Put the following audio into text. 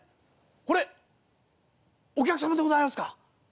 これお客様でございますか？